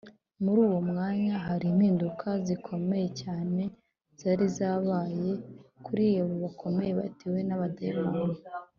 muri uwo mwanya, hari impinduka zikomeye cyane zari zabaye kuri abo bahoze batewe n’abadayimoni